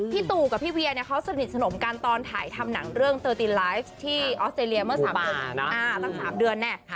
ที่ตูกับพี่เวียเขาสนิทสนมกันตอนถ่ายทำหนังเรื่องเตอร์ตินไลฟ์ที่ออสเตรเลียเมื่อ๓เดือน